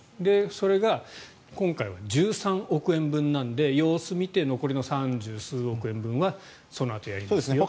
それが今回は１３億円分なので様子を見て残りの３０数億円分はあとでやりますよと。